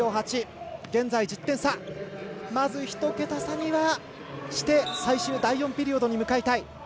まず１桁差にはして最終、第４ピリオドに向かいたい。